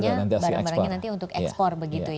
barang barangnya nanti untuk ekspor